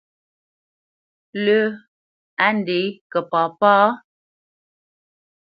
Lə́ á ndě kə̂ papá ?